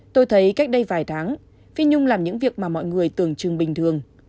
tôi thấy cách đây vài tháng phi nhung làm những việc mà mọi người tưởng chừng bình thường